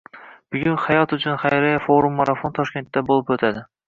Bugun “Hayot uchun!” xayriya forum-marafoni Toshkentda bo‘lib o‘tadi